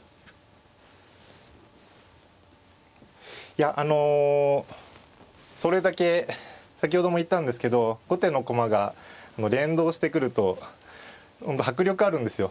いやあのそれだけ先ほども言ったんですけど後手の駒が連動してくると迫力あるんですよ